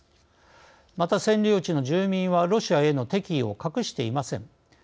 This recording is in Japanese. また占領地の住民はロシアへの敵意を隠していません。